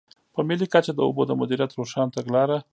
په ملي کچه د اوبو د مدیریت روښانه تګلاره.